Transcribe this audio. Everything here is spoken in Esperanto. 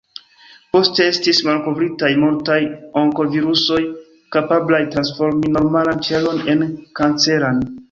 Poste estis malkovritaj multaj onkovirusoj, kapablaj transformi normalan ĉelon en kanceran.